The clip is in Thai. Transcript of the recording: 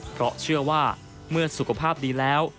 เพราะเชื่อว่าเมื่อสุขภาพดีแล้ว